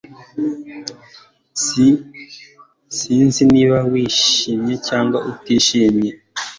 S Sinzi niba wishimye cyangwa utishimye